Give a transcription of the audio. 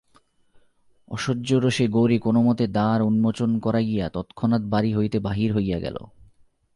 অসহ্য রোষে গৌরী কোনোমতে দ্বার উন্মোচন করাইয়া তৎক্ষণাৎ বাড়ি হইতে বাহির হইয়া গেল।